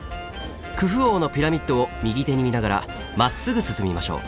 クフ王のピラミッドを右手に見ながらまっすぐ進みましょう。